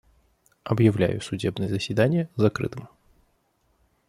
Объявляю судебное заседание закрытым.